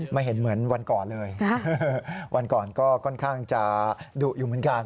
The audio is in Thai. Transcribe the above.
ไม่เห็นเหมือนวันก่อนเลยวันก่อนก็ค่อนข้างจะดุอยู่เหมือนกัน